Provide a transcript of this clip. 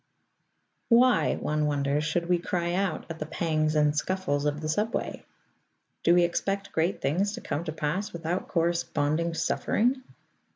Why, one wonders, should we cry out at the pangs and scuffles of the subway? Do we expect great things to come to pass without corresponding suffering?